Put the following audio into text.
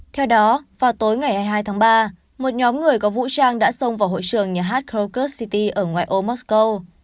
theo đó vào tối hai mươi hai tháng ba một nhóm người có vũ trang đã xông vào hội trường nhà hát krakow city ở ngoài ô moscow